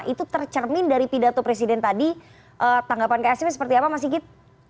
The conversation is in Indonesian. itu tercermin dari pidato presiden tadi tanggapan ksp seperti apa mas sigit